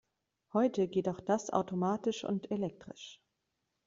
Heute geht auch das automatisch und elektrisch.